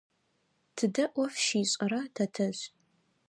Тыдэ ӏоф щишӏэра тэтэжъ?